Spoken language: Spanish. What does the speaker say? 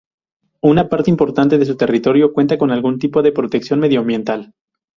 Una parte importante de su territorio cuenta con algún tipo de protección medioambiental.